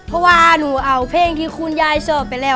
เพราะว่าหนูเอาเพลงที่คุณยายชอบไปแล้ว